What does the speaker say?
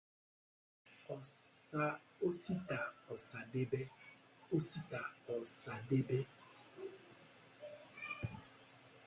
Osita Ọsadebe